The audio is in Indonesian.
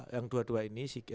yang dua dua ini